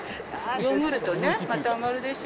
ヨーグルトね、また上がるでしょ。